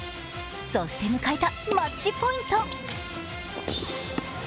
そして迎えたマッチポイント。